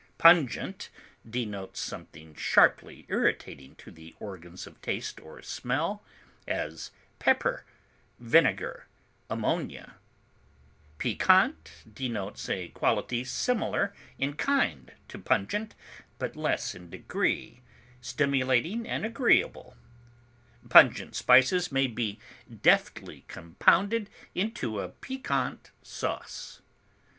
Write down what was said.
Pungent denotes something sharply irritating to the organs of taste or smell, as pepper, vinegar, ammonia; piquant denotes a quality similar in kind to pungent but less in degree, stimulating and agreeable; pungent spices may be deftly compounded into a piquant sauce.